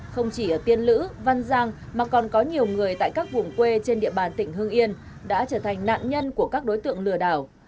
không chỉ ở tiên lữ văn giang mà còn có nhiều người tại các vùng quê trên địa bàn tỉnh hương yên đã trở thành nạn nhân của các đối tượng lừa đảo